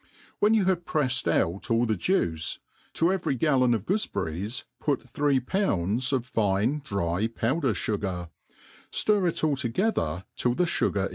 When you have preffed put all the juioe^ to every gallon of goo(eberries put three pounds of fine dry |K>wder fi^ar, ftir it all together till the fugar.